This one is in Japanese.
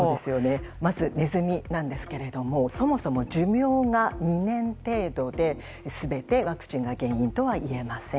まずネズミなんですけれどもそもそも寿命が２年程度で、全てワクチンが原因とは言えません。